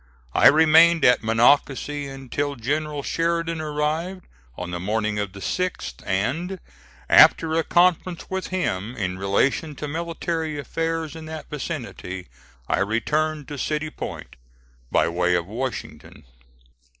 I remained at Monocacy until General Sheridan arrived, on the morning of the 6th, and, after a conference with him in relation to military affairs in that vicinity, I returned to City Point by way of Washington.